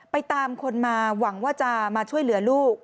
ไปตามคนมาหวังว่าจะมาช่วยเหลือลูก